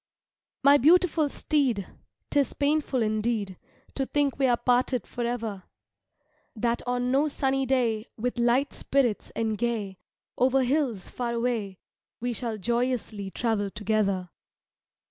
My beautiful steed, 'Tis painful indeed To think we are parted forever; That on no sunny day, With light spirits and gay, Over hills far away, We shall joyously travel together.